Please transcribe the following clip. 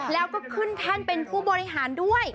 แล้วก็ขึ้นแท่นเป็นผู้บริหารด้วย